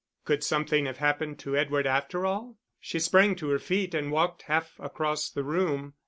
Could something have happened to Edward after all? She sprang to her feet and walked half across the room.